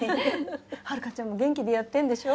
遥ちゃんも元気でやってんでしょ？